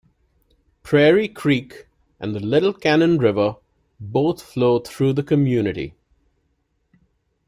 Prairie Creek and the Little Cannon River both flow through the community.